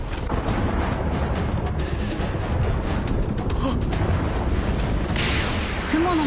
あっ！